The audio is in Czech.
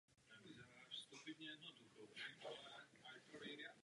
Ve stejném roce reprezentoval Itálii na Eurovision Song Contest.